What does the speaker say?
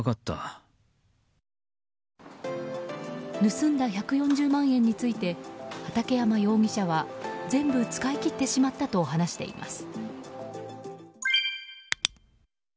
盗んだ１４０万円について畠山容疑者は全部使い切ってしまったと話しています。